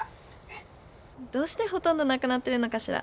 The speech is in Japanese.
どうしてほとんどなくなってるのかしら？